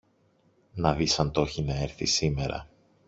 να δεις αν το ’χει να έρθει σήμερα